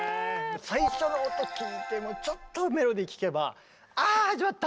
最初の音聞いてちょっとメロディー聞けば「あ始まった！」。